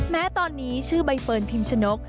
แม้ตอนนี้ชื่อใบเฟิร์นพิมชนก